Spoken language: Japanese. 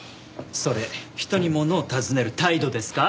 それ人にものを尋ねる態度ですか？